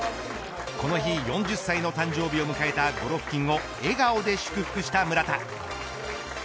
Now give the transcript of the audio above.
この日４０歳の誕生日を迎えたゴロフキンを笑顔で祝福した村田。